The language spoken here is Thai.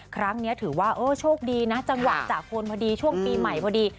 ครั้งนี้ถือว่าเออโชคดีนะจังหวะจากคนพอดีช่วงปีใหม่พอดี